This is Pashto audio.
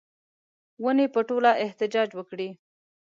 ونې به ټوله احتجاج وکړي